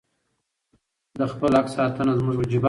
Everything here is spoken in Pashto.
د خپل حق ساتنه زموږ وجیبه ده.